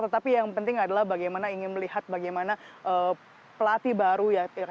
tetapi yang penting adalah bagaimana ingin melihat bagaimana pelatih baru ya